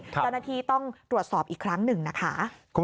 ตอนนี้ต้องตรวจสอบอีกครั้งหนึ่งนะคะ